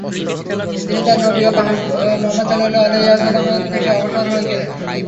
তিনি তাঁর নবী ও হাবীব মুহাম্মাদ সাল্লাল্লাহু আলাইহি ওয়াসাল্লামের জন্য অবসর হয়ে গেলেন।